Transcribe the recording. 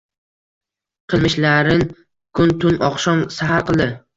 Qilmishlarin kun-tun, oqshom-sahar qildi.